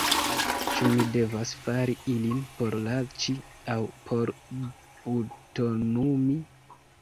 Ĉu mi devas fari ilin por laĉi aŭ por butonumi?